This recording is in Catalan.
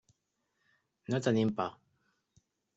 No tenim pa.